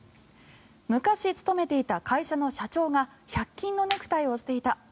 昔勤めていた会社の社長が１００均のネクタイをしていた。